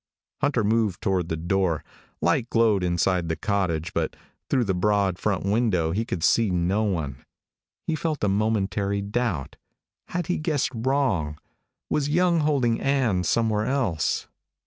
Hunter moved toward the door. Light glowed inside the cottage, but through the broad, front window he could see no one. He felt a momentary doubt. Had he guessed wrong? Was Young holding Ann somewhere else?